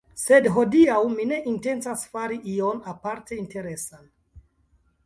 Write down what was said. Sed, hodiaŭ mi ne intencas fari ion aparte interesan